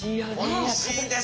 おいしいです！